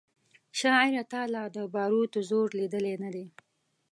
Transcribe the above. شاعره تا لا د باروتو زور لیدلی نه دی